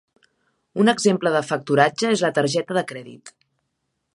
Un exemple de factoratge és la targeta de crèdit.